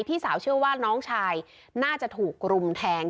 พี่สาวเชื่อว่าน้องชายน่าจะถูกรุมแทง